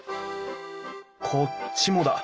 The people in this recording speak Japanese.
こっちもだ。